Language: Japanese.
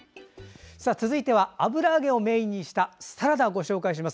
続いては油揚げをメインにしたサラダをご紹介します。